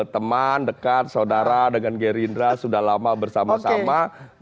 teman dekat saudara dengan gerindra sudah lama bersama sama